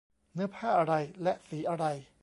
เนื้อผ้าอะไร และสีอะไร